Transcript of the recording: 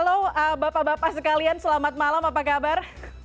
halo bapak bapak sekalian selamat malam apa kabar